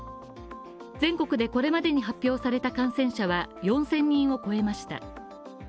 全国でこれまでに発表された感染者は４０００人を超えました。